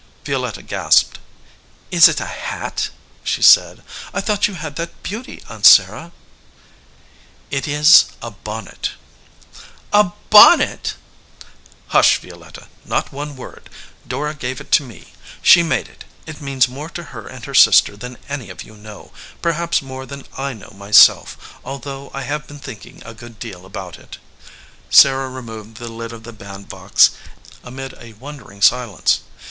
Violetta gasped. "Is it a hat?" she said. "I thought you had that beauty, Aunt Sarah." "It is a bonnet." "A bonnet!" "Hush, Violetta, not one word. Dora gave it to me. She made it. It means more to her and her sister than any of you know, perhaps more than I know myself, although I have been thinking a good deal about it." Sarah removed the lid of the bandbox amid a wondering silence.